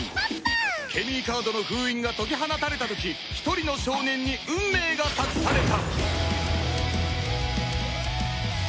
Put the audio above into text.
ケミーカードの封印が解き放たれた時一人の少年に運命が託された